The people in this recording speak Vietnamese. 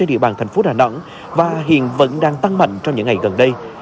địa bàn thành phố đà nẵng và hiện vẫn đang tăng mạnh trong những ngày gần đây